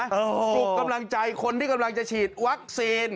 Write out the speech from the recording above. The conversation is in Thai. ปลุกกำลังใจคนที่กำลังจะฉีดวัคซีน